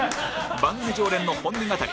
番組常連の本音語り